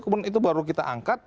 kemudian itu baru kita angkat